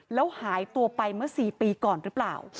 แล้วหายตัวไปเมื่อ๔ปีก่อนหรือเปล่า